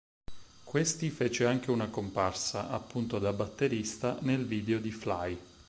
Questi fece anche una comparsa, appunto da batterista, nel video di "Fly".